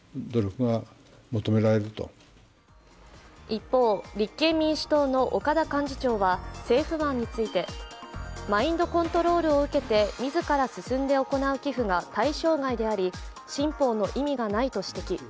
一方、立憲民主党の岡田幹事長は政府案についてマインドコントロールを受けて自ら進んで行う寄付が対象外であり、新法の意味がないと指摘。